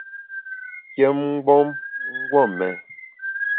Kyém mgbom !guon mén.